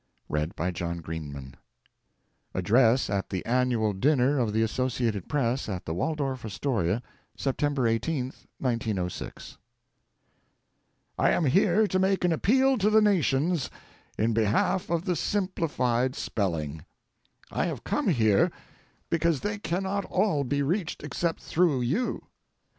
SPELLING AND PICTURES ADDRESS AT THE ANNUAL DINNER OF THE ASSOCIATED PRESS, AT THE WALDORF ASTORIA, SEPTEMBER 18, 1906 I am here to make an appeal to the nations in behalf of the simplified spelling. I have come here because they cannot all be reached except through you.